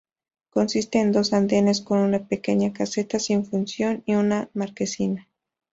Consiste en dos andenes con una pequeña caseta sin función y una marquesina.